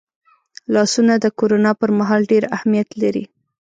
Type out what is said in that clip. لاسونه د کرونا پرمهال ډېر اهمیت لري